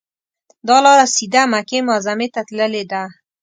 دا لاره سیده مکې معظمې ته تللې ده.